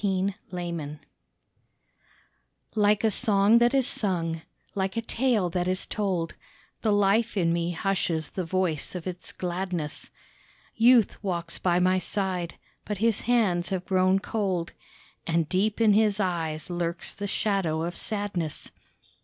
A LAMENT Like a song that is sung, like a tale that is told, The life in me hushes the voice of its gladness; Youth walks by my side, but his hands have grown cold, And deep in his eyes lurks the shadow of sadness.